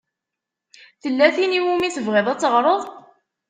Tella tin i wumi tebɣiḍ ad teɣṛeḍ?